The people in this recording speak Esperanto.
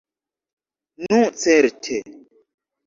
Nu certe!